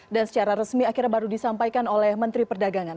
dan secara resmi akhirnya baru disampaikan oleh menteri perdagangan